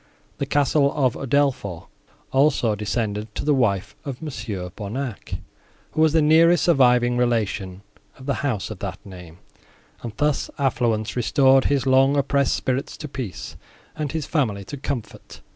The castle of Udolpho, also, descended to the wife of Mons. Bonnac, who was the nearest surviving relation of the house of that name, and thus affluence restored his long oppressed spirits to peace, and his family to comfort.